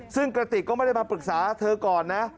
ซึ่งกระติกก็ไม่ได้มาปรึกษาเธอก่อนนะ